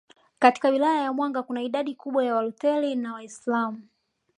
Katika Wilaya ya Mwanga kuna idadi kubwa ya Waluteri na Waislamu